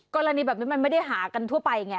กรณีแบบนี้มันไม่ได้หากันทั่วไปไง